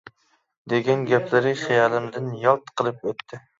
دېگەن گەپلىرى خىيالىمدىن يالت قىلىپ ئۆتتى.